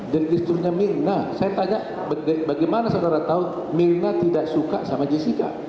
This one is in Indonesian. gesturnya mirna saya tanya bagaimana saudara tahu mirna tidak suka sama jessica